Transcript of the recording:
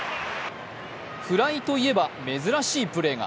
フライといえば、珍しいプレーが。